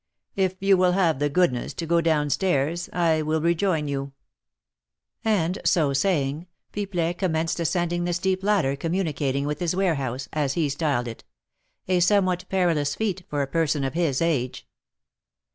If you will have the goodness to go down stairs, I will rejoin you." And, so saying, Pipelet commenced ascending the steep ladder communicating with his warehouse, as he styled it, a somewhat perilous feat for a person of his age.